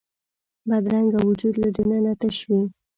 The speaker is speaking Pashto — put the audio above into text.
بدرنګه وجود له دننه تش وي